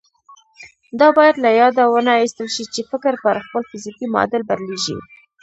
دا بايد له ياده ونه ايستل شي چې فکر پر خپل فزيکي معادل بدلېږي.